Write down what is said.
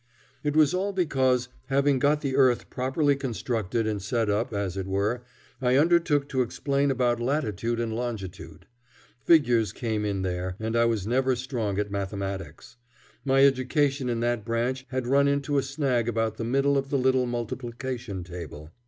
It was all because, having got the earth properly constructed and set up, as it were, I undertook to explain about latitude and longitude. Figures came in there, and I was never strong at mathematics. My education in that branch had run into a snag about the middle of the little multiplication table.